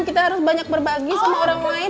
kita harus banyak berbagi sama orang lain